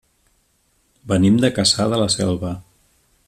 Venim de Cassà de la Selva.